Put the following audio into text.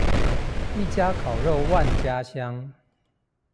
一家烤肉萬家香